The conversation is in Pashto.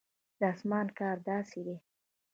د اسمان کار داسې دی.